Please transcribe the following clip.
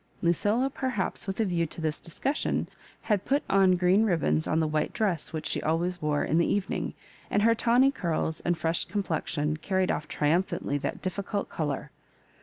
Lucilla, perhaps with a view to this discussion, had put on green ribbons on the white dress which she always wore in the even ing, and her tawny curls and fresh complexion carried off triumphantly that difficult colour.